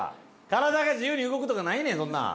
体が自由に動くとかないねんそんなん。